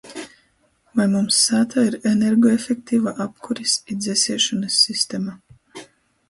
Voi mums sātā ir energoefektiva apkuris i dzesiešonys sistema?